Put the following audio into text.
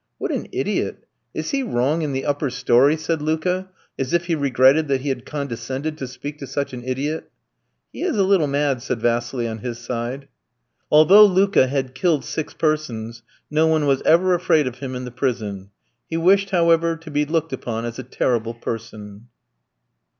"What an idiot! Is he wrong in the upper storey?" said Luka, as if he regretted that he had condescended to speak to such an idiot. "He is a little mad," said Vassili on his side. Although Luka had killed six persons, no one was ever afraid of him in the prison. He wished, however, to be looked upon as a terrible person.